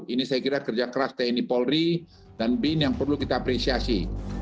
ini saya kira kerja keras tni polri dan bin yang perlu kita apresiasi